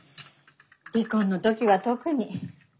離婚の時は特に。